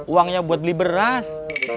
uangnya buat beli beras